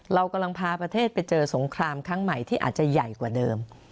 เรากำลังพาประเทศไปเจอสงครามครั้งใหม่ที่อาจจะใหญ่กว่าเดิม